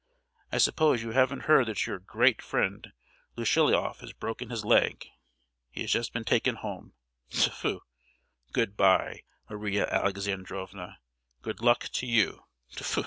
I suppose you haven't heard that your great friend Lushiloff has broken his leg?—he has just been taken home. Tfu! Good bye, Maria Alexandrovna—good luck to you! Tfu!"